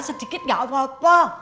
sedikit gak apa apa